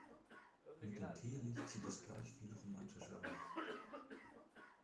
Mit dem Teelicht sieht es gleich viel romantischer aus.